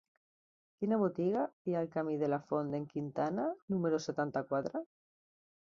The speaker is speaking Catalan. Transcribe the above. Quina botiga hi ha al camí de la Font d'en Quintana número setanta-quatre?